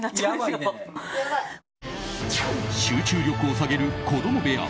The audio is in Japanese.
集中力を下げる子供部屋。